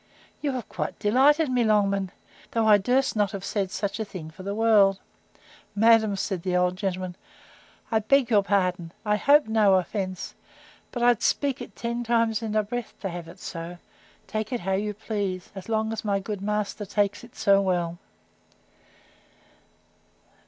—You have quite delighted me, Longman! Though I durst not have said such a thing for the world.—Madam, said the old gentleman, I beg your pardon; I hope no offence: but I'd speak it ten times in a breath to have it so, take it how you please, as long as my good master takes it so well.